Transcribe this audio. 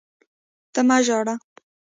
ته مه ژاړه!